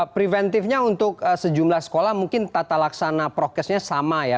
preventifnya untuk sejumlah sekolah mungkin tata laksana prokesnya sama ya